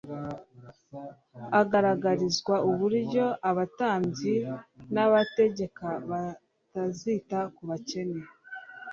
Agaragarizwa uburyo abatambyi n'abategeka batazita ku bakene